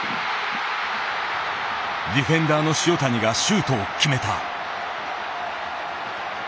ディフェンダーの塩谷がシュートを決めた。